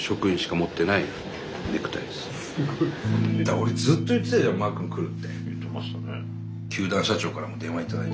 俺ずっと言ってたじゃんマー君来るって。